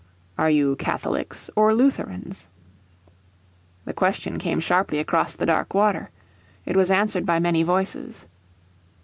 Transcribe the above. "Are you Catholics or Lutherans?" The question came sharply across the dark water. It was answered by many voices.